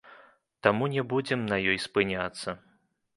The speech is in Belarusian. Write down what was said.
Таму не будзем на ёй спыняцца.